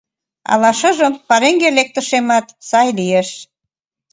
Ала шыжым пареҥге лектышемат сай лиеш».